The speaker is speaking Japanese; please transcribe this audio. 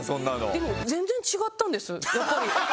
でも全然違ったんですやっぱり。